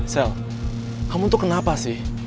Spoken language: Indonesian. sel kamu tuh kenapa sih